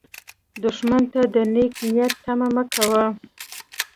دښمن ته د نېک نیتي تمه مه کوه